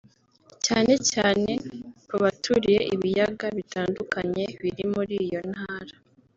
cyane cyane ku baturiye ibiyaga bitandukanye biri muri iyo ntara